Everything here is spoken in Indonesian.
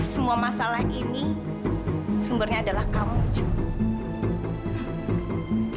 semua masalah ini sumbernya adalah kamu juli